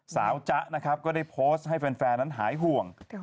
จ๊ะนะครับก็ได้โพสต์ให้แฟนนั้นหายห่วง